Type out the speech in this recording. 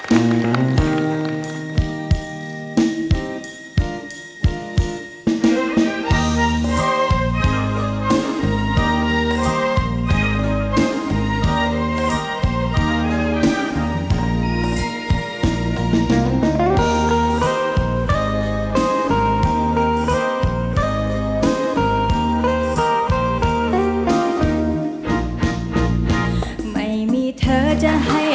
โปรดติดตามตอนต่อไป